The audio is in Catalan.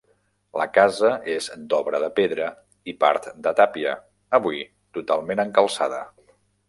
La casa és d'obra de pedra i part de tàpia, avui totalment encalçada.